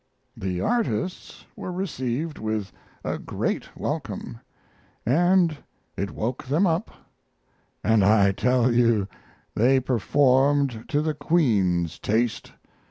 The artists were received with a great welcome, and it woke them up, and I tell you they performed to the Queen's taste!